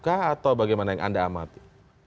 atau bagaimana yang anda amati